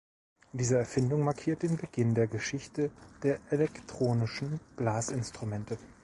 Diese Erfindung markiert den Beginn der Geschichte der elektronischen Blasinstrumente.